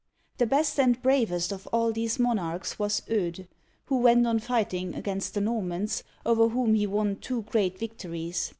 The best and bravest of all these monarchs was Eudes, who went on fighting against the Normans, over whom he won two great victories.